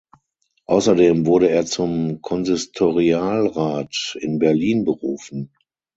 Außerdem wurde er zum Konsistorialrat in Berlin berufen.